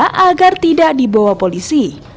sepeda motornya agar tidak dibawa polisi